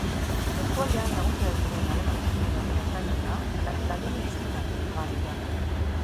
Eskualdean nagusiak diren alemanez eta italieraz gainera, ladino-hiztunak ere badira.